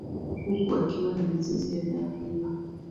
Huku akiwa na mizizi ya dawa hiyo